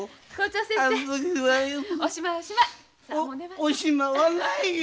おしまわないよ。